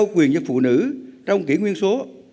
quyền giúp phụ nữ trong kỷ nguyên số